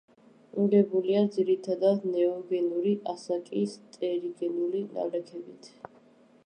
აგებულია ძირითადად ნეოგენური ასაკის ტერიგენული ნალექებით.